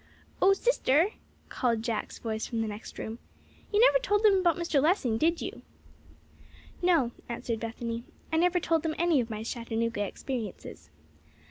"O sister," called Jack's voice from the next room, "you never told them about Mr. Lessing, did you?" "No," answered Bethany. "I never told them any of my Chattanooga experiences.